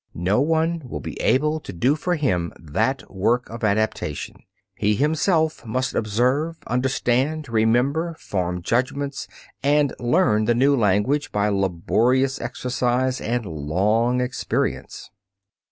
No one will be able to do for him that work of adaptation. He himself must observe, understand, remember, form judgments, and learn the new language by laborious exercise and long experience.